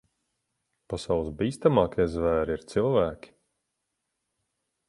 Pasaules bīstamākie zvēri ir cilvēki.